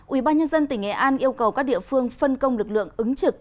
ubnd tỉnh nghệ an yêu cầu các địa phương phân công lực lượng ứng trực